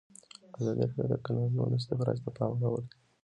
ازادي راډیو د د کانونو استخراج ته پام اړولی.